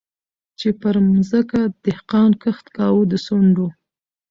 چي پر مځکه دهقان کښت کاوه د سونډو